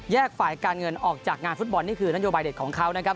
ฝ่ายการเงินออกจากงานฟุตบอลนี่คือนโยบายเด็ดของเขานะครับ